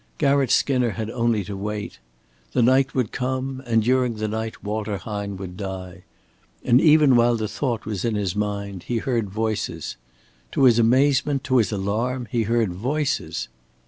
Garratt Skinner had only to wait. The night would come and during the night Walter Hine would die. And even while the thought was in his mind, he heard voices. To his amazement, to his alarm, he heard voices!